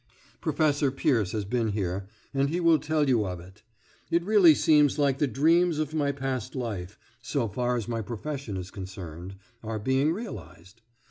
Professor Peirce has been here, and he will tell you of it. It really seems that the dreams of my past life so far as my profession is concerned are being realised.